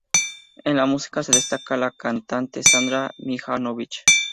En la música se destaca la cantante Sandra Mihanovich.